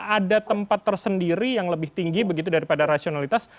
ada tempat tersendiri yang lebih tinggi begitu daripada rasionalitas